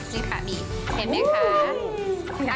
นี่ค่ะมีเห็นไหมคะ